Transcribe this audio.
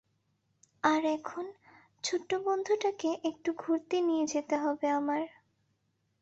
আর এখন, ছোট্ট বন্ধুটাকে একটু ঘুরতে নিয়ে যেতে হবে আমার।